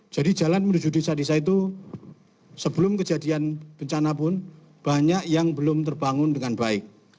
jadi jalan menuju desa desa itu sebelum kejadian bencana pun banyak yang belum terbangun dengan baik